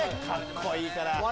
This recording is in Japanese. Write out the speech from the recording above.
かっこいいから。